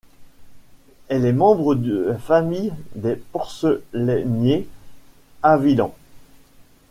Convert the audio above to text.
Elle est membre de la famille des porcelainiers Haviland.